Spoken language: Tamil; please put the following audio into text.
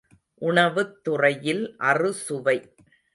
உணவுத் துறையில் அறுசுவை.